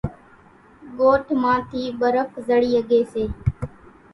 ڳوٺ مان ٿِي ٻرڦ زڙِي ۿڳيَ سي۔